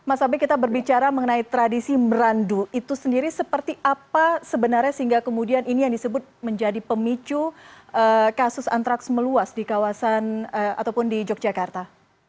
mas abe kita berbicara mengenai tradisi merandu itu sendiri seperti apa sebenarnya sehingga kemudian ini yang disebut menjadi pemicu kasus antraks meluas di kawasan ataupun di yogyakarta